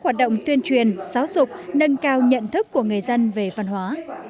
hoạt động tuyên truyền giáo dục nâng cao nhận thức của người dân về văn hóa